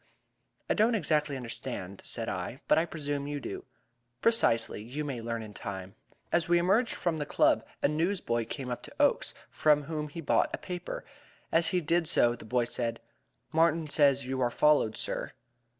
"I do not exactly understand," said I, "but I presume you do." "Precisely. You may learn in time." As we emerged from the Club a newsboy came up to Oakes, from whom he bought a paper, and as he did so, the boy said: "Martin says you are followed, sir."